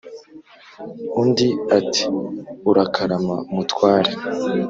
undi ati"urakarama mutware"